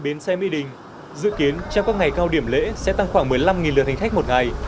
bến xe mỹ đình dự kiến trong các ngày cao điểm lễ sẽ tăng khoảng một mươi năm lượt hành khách một ngày